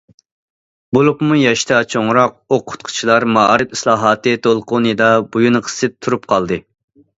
بولۇپمۇ ياشتا چوڭراق ئوقۇتقۇچىلار مائارىپ ئىسلاھاتى دولقۇنىدا بويۇن قىسىپ تۇرۇپ قالدى.